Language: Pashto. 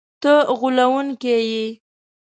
ته غولونکی یې!”